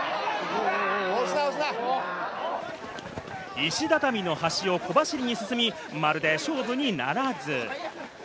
石畳の端を小走りに進み、まるで勝負にならず。